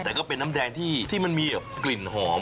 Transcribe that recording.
แต่ก็เป็นน้ำแดงที่มันมีกลิ่นหอม